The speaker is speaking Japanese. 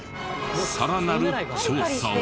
さらなる調査を。